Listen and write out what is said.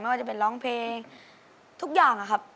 ว่าจะเป็นร้องเพลงทุกอย่างนะครับ